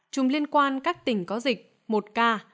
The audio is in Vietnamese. chùm liên quan các tỉnh có dịch một ca